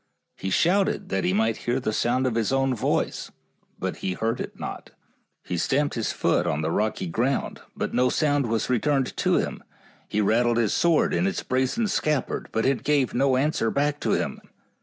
He shouted that he might hear the sound of his own voice, but he heard it not. He stamped his foot on the rocky ground, but no sound was returned to him. He rattled his sword in its brazen scabbard, but it gave no answer back to him.